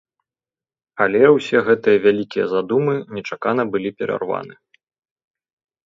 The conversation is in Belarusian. Але ўсе гэтыя вялікія задумы нечакана былі перарваны.